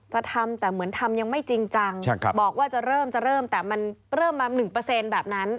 จะทำแต่เหมือนทำยังไม่จริงจังบอกว่าจะเริ่มจะเริ่มแต่มันเริ่มมา๑แบบนั้น